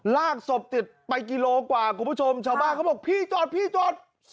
ลากศพติดไปกิโลกว่าคุณผู้ชมชาวบ้านเขาบอกพี่จอดพี่จอด